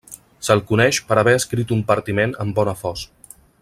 Se'l coneix per haver escrit un partiment amb Bonafós.